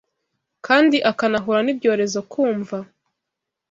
Kandi akanahura nibyorezo-kumva